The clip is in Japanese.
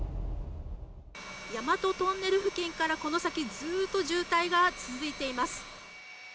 大和トンネル付近からこの先ずっと渋滞が続いています。